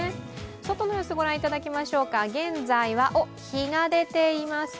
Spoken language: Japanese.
外の様子、御覧いただきましょうか現在は日が出ています。